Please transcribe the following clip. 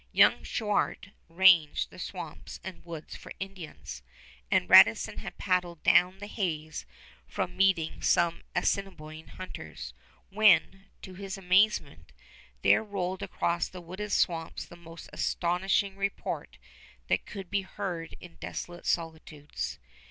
Young Chouart ranged the swamps and woods for Indians, and Radisson had paddled down the Hayes from meeting some Assiniboine hunters, when, to his amazement, there rolled across the wooded swamps the most astonishing report that could be heard in desolate solitudes.